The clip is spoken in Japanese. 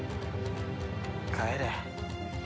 帰れ。